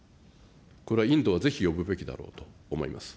これはインドをぜひ呼ぶべきだろうと思います。